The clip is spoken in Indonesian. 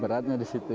beratnya di situ ya